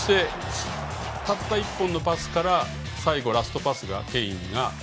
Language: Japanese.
たった１本のパスからラストパスをケインが。